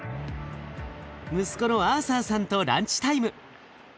息子のアーサーさんとランチタイム。